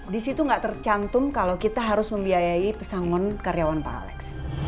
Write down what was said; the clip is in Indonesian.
di situ nggak tercantum kalau kita harus membiayai pesangon karyawan pak alex